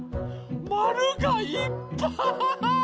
まるがいっぱい。